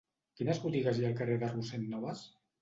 Quines botigues hi ha al carrer de Rossend Nobas?